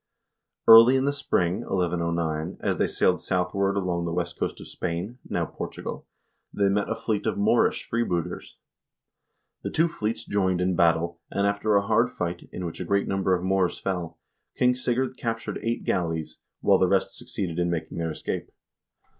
Early in the spring (1109), as they sailed southward along the west coast of Spain (now Portugal), they met a fleet of Moorish freebooters. The two fleets joined in battle, and after a hard fight, in which a great number of Moors fell, King Sigurd captured eight galleys, while the rest succeeded in making their escape.